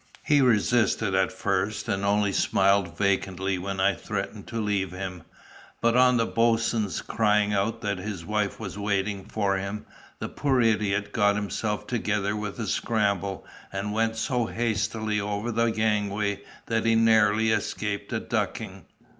He resisted at first, and only smiled vacantly when I threatened to leave him; but on the boatswain crying out that his wife was waiting for him, the poor idiot got himself together with a scramble, and went so hastily over the gangway that he narrowly escaped a ducking.